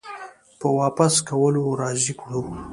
په واپس کولو راضي کړو